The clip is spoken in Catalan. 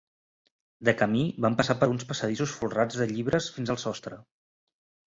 De camí, van passar per un passadís folrat de llibres fins al sostre.